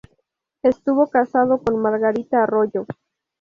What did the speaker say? Estuvo casado con Margarita Arroyo.